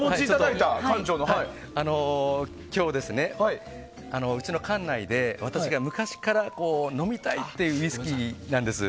今日、うちの館内で私が昔から飲みたいっていうウイスキーなんです。